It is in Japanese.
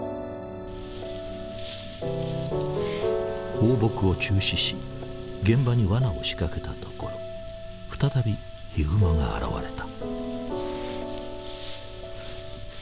放牧を中止し現場にワナを仕掛けたところ再びヒグマが現れた。